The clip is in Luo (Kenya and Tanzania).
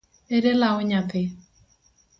Ere law nyathi?